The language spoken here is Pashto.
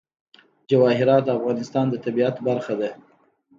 جواهرات د افغانستان د طبیعت برخه ده.